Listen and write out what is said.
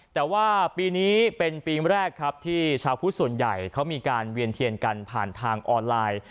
แต่ว่าปีนี้เป็นปีแรกครับที่ชาวพุทธส่วนใหญ่เขามีการเวียนเทียนกันผ่านทางออนไลน์